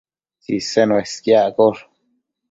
Tsisen uesquiaccosh